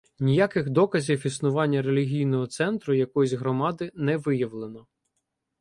Ніяких доказів існування релігійного центру якоїсь громади не виявлено.